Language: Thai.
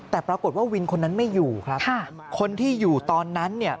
แต่ปรากฏว่าวินคนนั้นไม่อยู่ครับคนที่อยู่ตอนนั้นเนี่ย